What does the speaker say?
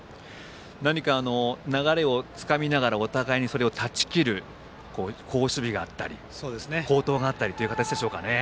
何か流れをつかみながらお互いに、それを断ち切る好守備があったり好投があったりという形でしょうか。